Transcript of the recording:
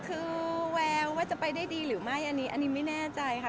คือแววว่าจะไปได้ดีหรือไม่อันนี้ไม่แน่ใจค่ะ